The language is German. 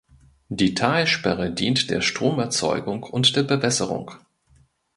Die Talsperre dient der Stromerzeugung und der Bewässerung.